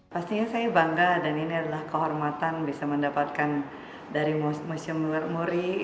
pastinya saya bangga dan ini adalah kehormatan bisa mendapatkan dari museum muri